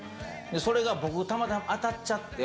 それが僕たまたま当たっちゃって。